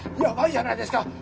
やばいじゃないですか！